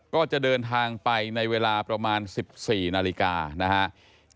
ก็จะเดินทางไปในเวลาประมาณ๑๔นาฬิกานะครับ